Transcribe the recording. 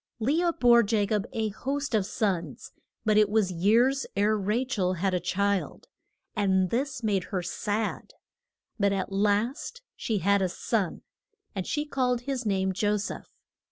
Le ah bore Ja cob a host of sons, but it was years ere Ra chel had a child. And this made her sad. But at last she had a son, and she called his name Jo seph.